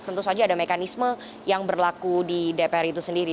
tentu saja ada mekanisme yang berlaku di dpr itu sendiri